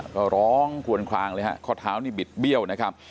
ก็ร้องควนคลางเลยฮะข้อเท้านี่บิดเบี้ยวนะครับ